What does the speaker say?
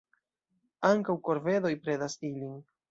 Ankaŭ korvedoj predas ilin.